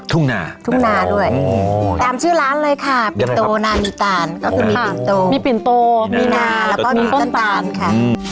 ทุ่งนาทุ่งนาด้วยตามชื่อร้านเลยค่ะปิ่นโตนามีตานก็คือมีปิ่นโตมีปิ่นโตมีนาแล้วก็มีต้นตาลค่ะ